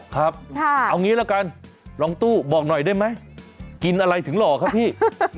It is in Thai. ครับเอางี้ละกันลองตู้บอกหน่อยได้ไหมกินอะไรถึงหล่อครับพี่